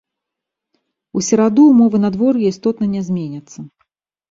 У сераду ўмовы надвор'я істотна не зменяцца.